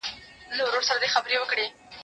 ماهى چي نه نيسې، تر لکۍ ئې ټينگوه.